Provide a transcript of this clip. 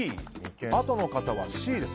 あとの方はＣです。